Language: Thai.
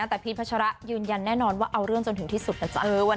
แต่พีชพัชรายืนยันแน่นอนว่าเอาเรื่องจะเงียบไป